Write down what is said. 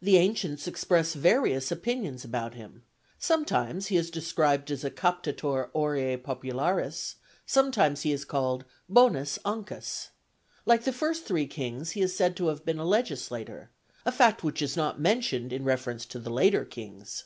The ancients express various opinions about him; sometimes he is described as a captator auræ popularis; sometimes he is called bonus Ancus. Like the first three kings, he is said to have been a legislator, a fact which is not mentioned in reference to the later kings.